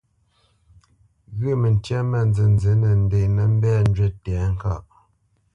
Ghyə̂ məntyâ mâ nzənzí nə nděnə mbɛ̂ njywí tɛ̌ŋkaʼ.